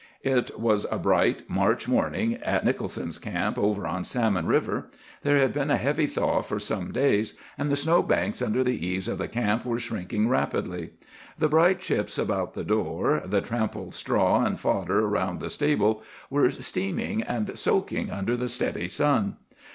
"It was a bright March morning at Nicholson's camp over on Salmon River. There had been a heavy thaw for some days, and the snowbanks under the eaves of the camp were shrinking rapidly. The bright chips about the door, the trampled straw and fodder around the stable, were steaming and soaking under the steady sun.